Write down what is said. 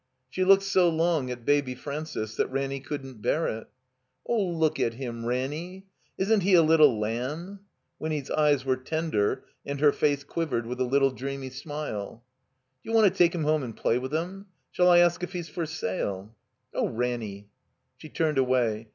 She looked so long at Baby Francis that Ranny couldn't bear it. '' Oh, look at him, Ranny ! Isn't he a little lamb ?'' Winny's eyes were tender, and her face quivered with a little dreamy smile. "D'you want to take him home and play with him? Shall I ask if he's for sale?" "Oh, Ranny!" She turned away.